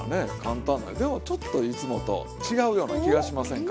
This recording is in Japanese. でもちょっといつもと違うような気がしませんか？